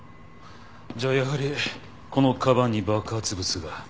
じゃあやはりこの鞄に爆発物が。